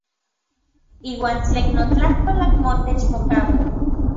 Iuan tlen notlajtol anmotech mokaua.